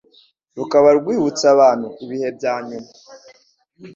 rukaba rwibutsa abantu ibihe bya nyuma